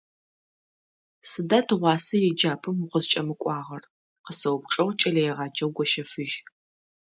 «Сыда тыгъуасэ еджапӀэм укъызкӀэмыкӀуагъэр?», -къысэупчӀыгъ кӀэлэегъаджэу Гощэфыжь.